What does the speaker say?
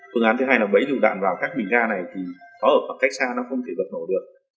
phương án thứ hai là bấy dụng đạn vào các bình ga này thì có ở một cách xa nó không thể bật nổ được